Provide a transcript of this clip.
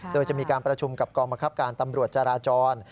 โดยจะมีการประชุมกับกองบังคับการตำรวจจราจร